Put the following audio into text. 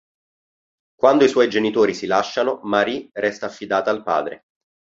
Quando i suoi genitori si lasciano, Marie resta affidata al padre.